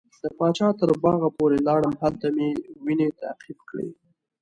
د پاچا تر باغه پورې لاړم هلته مې وینې تعقیب کړې.